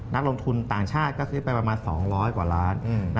นักลงทุนต่างชาติก็ซื้อไปประมาณ๒๐๐กว่าล้าน